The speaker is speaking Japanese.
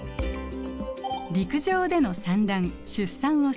「陸上での産卵・出産をする」。